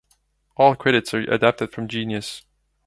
All credits are adapted from Genius.